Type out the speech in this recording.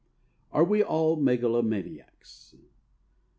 ARE WE ALL MEGALOMANIACS?